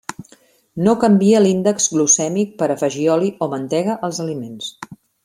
No canvia l'índex glucèmic per afegir oli o mantega als aliments.